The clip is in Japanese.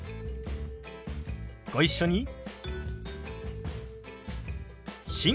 ご一緒に。